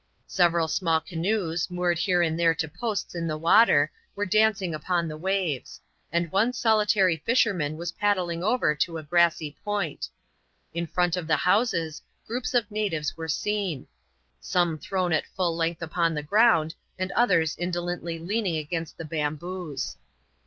Several small cancels, moored here and there to posts in the water, were dancing upon the waves; and one solitary fiaherman was paddling over to a grassy point. In front of the houses, groups of natives were seen ; some thrown at full length upon the ground,' and others indolently leaning against the bamboos.